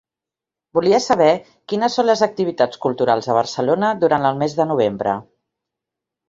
Volia saber quines son les activitats culturals a Barcelona durant el mes de novembre.